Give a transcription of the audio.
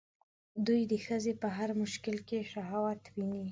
دوی د ښځې په هر شکل کې شهوت ويني